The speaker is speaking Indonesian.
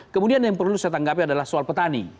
kemudian yang perlu saya tanggapi adalah soal petani